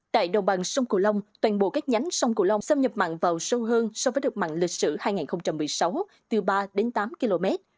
tại đồng bằng sông cửu long toàn bộ các nhánh sông cửu long xâm nhập mặn vào sâu hơn so với đợt mặn lịch sử hai nghìn một mươi sáu từ ba đến tám km